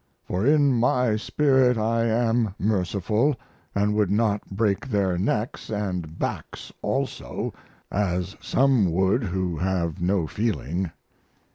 For in my spirit I am merciful, and would not break their necks & backs also, as some would who have no feeling.